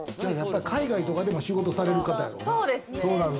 海外とかでも仕事される方やろな。